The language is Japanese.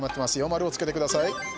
丸をつけてください。